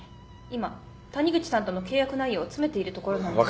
今谷口さんとの契約内容を詰めているところなので。